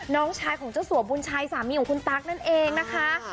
น้องชายของเจ้าสัวบุญชัยสามีของคุณตั๊กนั่นเองนะคะ